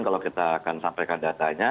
kalau kita akan sampaikan datanya